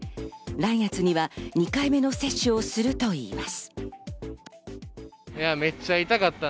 来月には２回目の接種をするといいます。